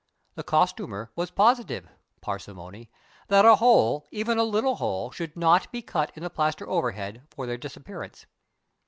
The costumer was positive (parsimony!) that a hole even a little hole should not be cut in the plaster overhead for their disappearance.